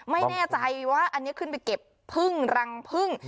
ไม่แน่ใจว่าอันนี้ขึ้นไปเก็บพึ่งรังพึ่ง